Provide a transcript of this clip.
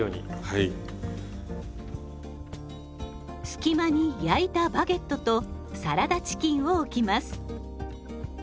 隙間に焼いたバゲットとサラダチキンを置きます。